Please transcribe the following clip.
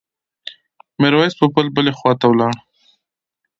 میرویس پوپل بلې خواته ولاړ.